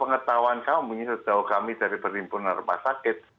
ketahuan kamu ini sudah kami dari perimpunan rumah sakit